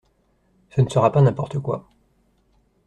Ce ne sera pas n’importe quoi.